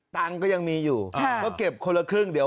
ตังค์ก็ยังมีอยู่ก็เก็บคนละครึ่งเดี๋ยว